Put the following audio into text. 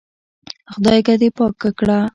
خدايکه دې پاکه کړه.